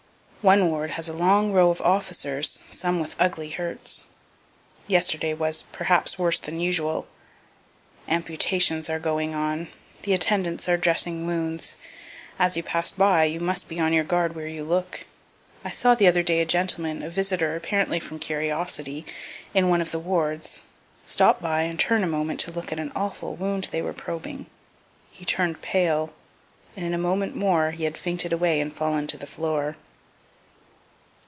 One ward has a long row of officers, some with ugly hurts. Yesterday was perhaps worse than usual. Amputations are going on the attendants are dressing wounds. As you pass by, you must be on your guard where you look. I saw the other day a gentlemen, a visitor apparently from curiosity, in one of the wards, stop and turn a moment to look at an awful wound they were probing. He turn'd pale, and in a moment more he had fainted away and fallen to the floor.